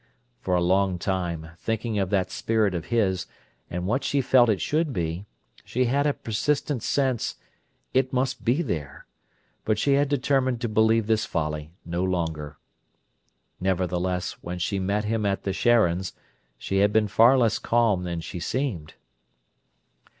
For a long time, thinking of that spirit of his, and what she felt it should be, she had a persistent sense: "It must be there!" but she had determined to believe this folly no longer. Nevertheless, when she met him at the Sharons', she had been far less calm than she seemed.